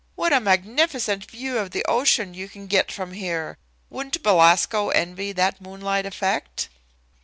"What a magnificent view of the ocean you can get from here? Wouldn't Belasco envy that moonlight effect?"